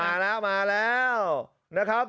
มาแล้วมาแล้วนะครับ